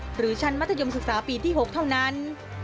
หรือชั้นมัธยมศึกษาปีที่๖เท่านั้น